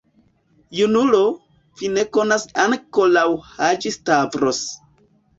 Junulo, vi ne konas ankoraŭ Haĝi-Stavros.